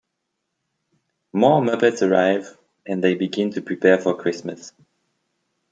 More Muppets arrive, and they begin to prepare for Christmas.